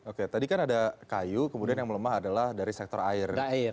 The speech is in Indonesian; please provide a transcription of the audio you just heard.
oke tadi kan ada kayu kemudian yang melemah adalah dari sektor air